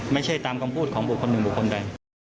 ไม่ใช่ตามคำพูดของบุคคลหนึ่งบุคคลใด